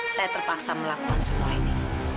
saya terpaksa melakukan semua ini